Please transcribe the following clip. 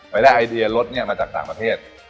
ไปได้ไอเดียรถเนี่ยมาจากต่างประเทศ